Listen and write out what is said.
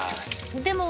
でも。